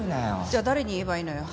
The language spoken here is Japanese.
じゃあ誰に言えばいいのよ？